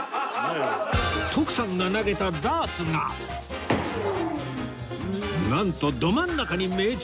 徳さんが投げたダーツがなんとど真ん中に命中